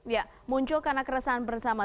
ya muncul karena keresahan bersama